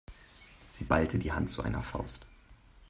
Sie ballte die Hand zu einer Faust.